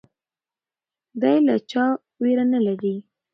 دی له چا ویره نه لري.